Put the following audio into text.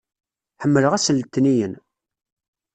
Ḥemmleɣ ass n letniyen!